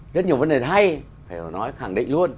rất nhiều vấn đề hay phải nói khẳng định luôn